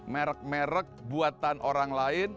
merek merek buatan orang lain